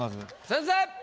先生！